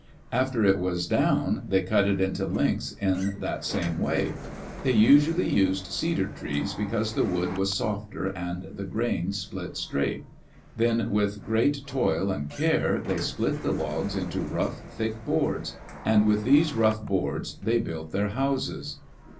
After it was down, they cut it into lengths in that same way. They usually used cedar trees because the wood was softer and the grain split straight. Then, with great toil and care, they split the logs into rough, thick boards. And with these rough boards they built their houses.